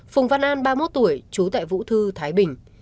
phùng văn an ba mươi một tuổi trú tại vũ thư thái bình